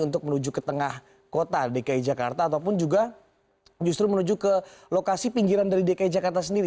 untuk menuju ke tengah kota dki jakarta ataupun juga justru menuju ke lokasi pinggiran dari dki jakarta sendiri